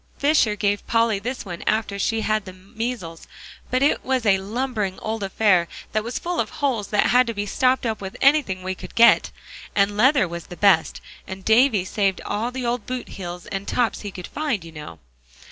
Fisher gave Polly this one after she had the measles; but it was a lumbering old affair that was full of holes that had to be stopped up with anything we could get. And leather was the best; and Davie saved all the old boot heels and tops he could find, you know."